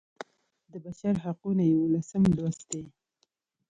د بشر حقونه یوولسم لوست دی.